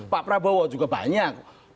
pak prabowo juga banyak